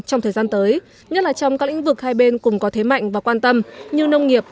trong thời gian tới nhất là trong các lĩnh vực hai bên cùng có thế mạnh và quan tâm như nông nghiệp